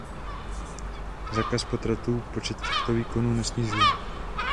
Zákaz potratů počet těchto výkonů nesnižuje.